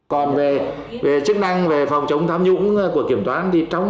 còn về chức năng về phòng chống tham nhũng của kiểm toán